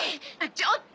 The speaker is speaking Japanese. ちょっと！